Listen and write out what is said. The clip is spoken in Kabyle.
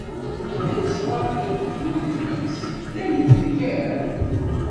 I ma yeẓra-t d uletma-s, dayen tenger?